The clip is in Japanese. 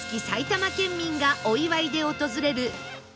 埼玉県民がお祝いで訪れる